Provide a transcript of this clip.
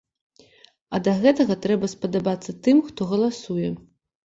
А да гэтага трэба спадабацца тым, хто галасуе.